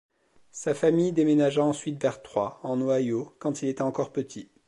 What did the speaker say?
Sa famille déménagea ensuite vers Troy, en Ohio quand il était encore petit.